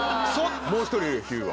もう１人おるよヒューは。